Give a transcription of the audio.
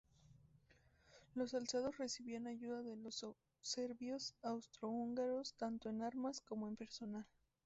Los alzados recibían ayuda de los serbios austrohúngaros, tanto en armas como en personal.